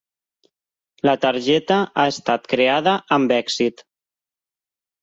La targeta ha estat creada amb èxit.